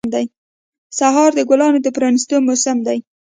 سهار د ګلانو د پرانیستو موسم دی.